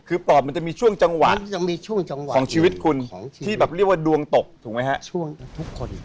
คือปอดมันจะมีช่วงจังหวะของชีวิตคุณที่เรียกว่าดวงตกถูกไหมครับ